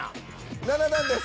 ７段です。